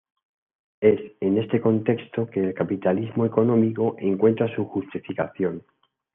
Es en este contexto que el capitalismo económico encuentra su justificación.